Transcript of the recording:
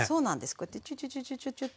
こうやってチュチュチュチュチュチュッて。